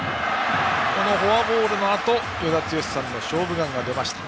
フォアボールのあと与田剛さんの「勝負眼」が出ました。